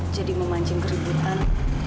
jadi memancing keributan